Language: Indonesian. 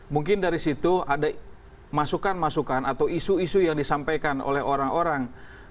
mungkin dari situ ada masukan masukan atau isu isu yang disampaikan oleh orang orang